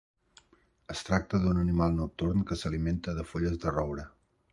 Es tracta d'un animal nocturn que s'alimenta de fulles de roure.